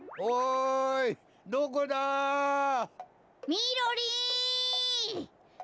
みろりん！